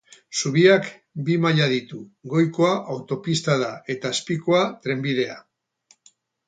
Zubiak bi maila ditu, goikoa autopista da eta azpikoa trenbidea.